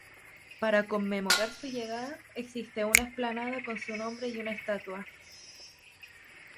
Para conmemorar su llegada, existe una explanada con su nombre y una estatua.